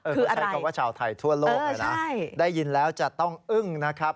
คือใช้คำว่าชาวไทยทั่วโลกเลยนะได้ยินแล้วจะต้องอึ้งนะครับ